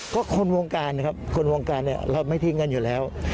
ก็คนวงการนะครับคนวงการเนี่ยเราไม่ทิ้งกันอยู่แล้ว